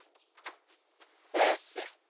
うっす。